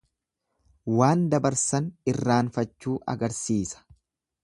Waan dabarsan irraanfachuu agarsiisa.